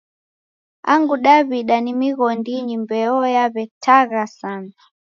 Angu Daw'ida ni mighondinyi mbeo yaw'etagha sana.